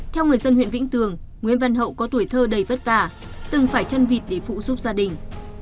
theo người dân huyện vĩnh tường nguyễn văn hậu có tuổi thơ đầy vất vả từng phải chân vịt để phụ giúp gia đình